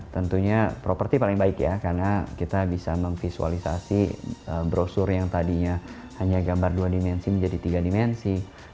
tentunya properti paling baik ya karena kita bisa memvisualisasi brosur yang tadinya hanya gambar dua dimensi menjadi tiga dimensi